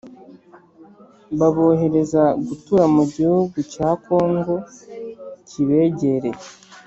Babohereza gutura mu gihugu cya kongo kibegereye